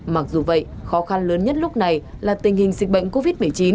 mặc dù vậy khó khăn lớn nhất lúc này là tình hình dịch bệnh covid một mươi chín